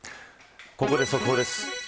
ここで速報です。